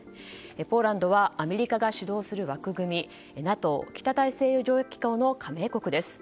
ポーランドはアメリカが主導する枠組みＮＡＴＯ・北大西洋条約機構の加盟国です。